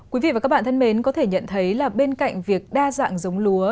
quý vị và các bạn thân mến có thể nhận thấy là bên cạnh việc đa dạng giống lúa